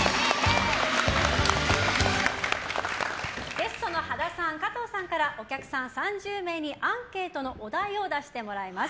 ゲストの羽田さんと加藤さんからお客さん３０名に、アンケートのお題を出してもらいます。